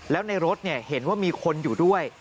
แล้วในรถเห็นว่ามีคนอยู่ด้วย